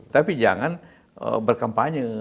tapi jangan berkampanye